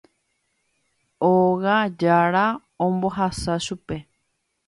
Óga jára ombohasa chupe.